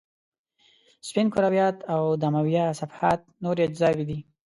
سپین کرویات او دمویه صفحات نورې اجزاوې دي.